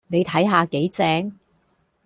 你睇下幾正